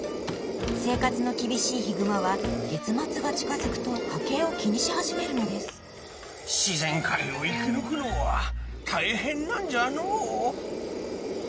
生活の厳しいヒグマは月末が近づくと家計を気にし始めるのです自然界を生き抜くのは大変なんじゃのう。